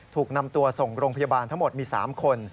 ถูกนำตัวส่งโรงพยาบาลทั้งหมดมี๓คน